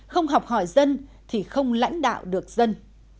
không học hỏi dân thì không lãnh đạo được dân